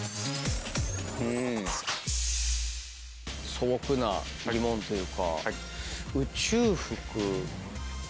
素朴な疑問というか。